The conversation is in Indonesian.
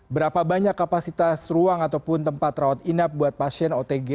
berapa banyak kapasitas ruang ataupun tempat rawat inap buat pasien otg